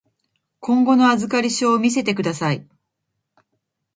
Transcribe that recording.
今後の預かり証を見せてください。